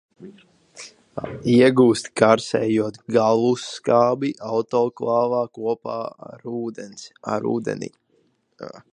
Iegūst, karsējot gallusskābi autoklāvā kopā ar ūdeni.